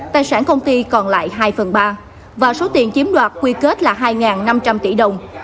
tài sản công ty còn lại hai phần ba và số tiền chiếm đoạt quy kết là hai năm trăm linh tỷ đồng